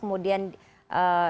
kemudian pegawai kpk yang lolos